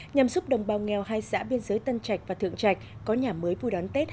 nhằm giúp đồng bào nghèo hai xã biên giới tân trạch và thượng trạch có nhà mới vui đón tết hai nghìn một mươi chín